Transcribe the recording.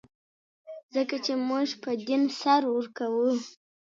ځکه چې موږ په دین سر ورکوو.